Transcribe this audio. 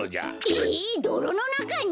えどろのなかに！？